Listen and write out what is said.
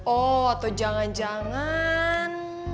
oh atau jangan jangan